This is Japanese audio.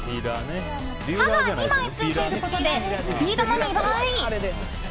刃が２枚ついていることでスピードも２倍。